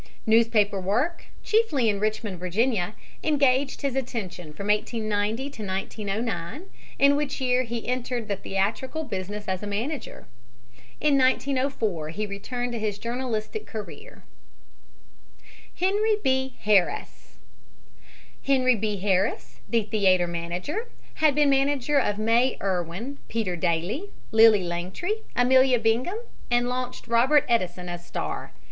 Newspaper work, chiefly in Richmond, Va., engaged his attention from 1890 to 1909, in which year he entered the theatrical business as a manager. In 1904 he returned to his journalistic career. HENRY B. HARRIS Henry B. Harris, the theater manager, had been manager of May Irwin, Peter Dailey, Lily Langtry, Amelia Bingham, and launched Robert Edeson as star.